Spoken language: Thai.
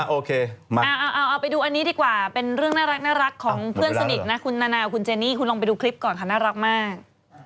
โอเคมาเอาไปดูอันนี้ดีกว่าเป็นเรื่องน่ารักของเพื่อนสนิทนะคุณนานาคุณเจนี่คุณลองไปดูคลิปก่อนค่ะน่ารักมาก